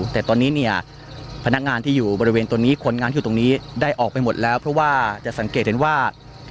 แต่ตอนนี้เนี่ยพนักงานที่อยู่บริเวณตรงนี้คนงานที่อยู่ตรงนี้ได้ออกไปหมดแล้วเพราะว่าจะสังเกตเห็นว่า